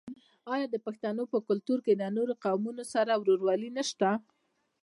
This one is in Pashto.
آیا د پښتنو په کلتور کې د نورو قومونو سره ورورولي نشته؟